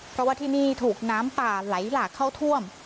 เพราะว่าที่นี่ถูกน้ำป่าไหลหลากเข้าท่วม